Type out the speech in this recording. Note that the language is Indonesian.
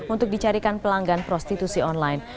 untuk dicarikan pelanggan prostitusi online